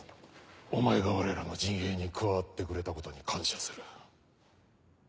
お前がわれらの陣営に加わってくれたことに感謝する。